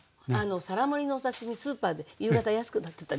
皿盛りのお刺身スーパーで夕方安くなってたりしますでしょ。